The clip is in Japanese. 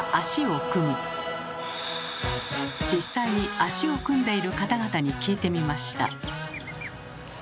実際に足を組んでいる方々に聞いてみました。